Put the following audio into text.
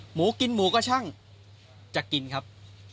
หมูกินหมูกระชั่งจะกินครับ